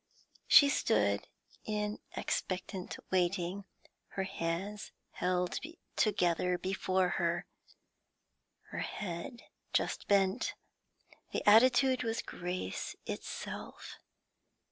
She stood in expectant waiting, her hands held together before her, her head just bent. The attitude was grace itself.